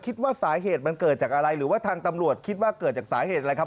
คิดว่าสาเหตุมันเกิดจากอะไรหรือว่าทางตำรวจคิดว่าเกิดจากสาเหตุอะไรครับ